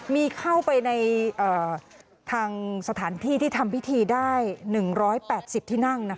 มีเข้าไปในทางสถานที่ที่ทำพิธีได้๑๘๐ที่นั่ง